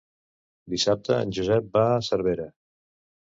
Dissabte en Josep va a Cervera.